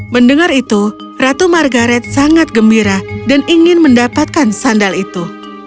mendengar itu ratu margaret sangat gembira dan ingin mendapatkan sandal itu